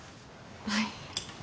はい。